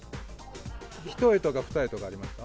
一重とか二重とかありますか？